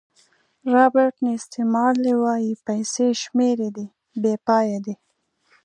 رابرټ نیسټه مارلې وایي پیسې شمېرې دي بې پایه دي.